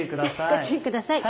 ご注意ください。